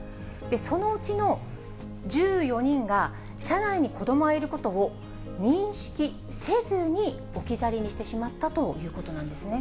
そのうちの１４人が、車内に子どもがいることを認識せずに、置き去りにしてしまったということなんですね。